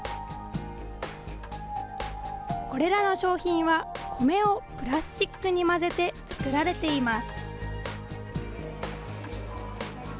これらの商品は、コメをプラスチックに混ぜて作られています。